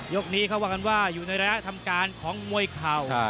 นี้เขาว่ากันว่าอยู่ในระยะทำการของมวยเข่า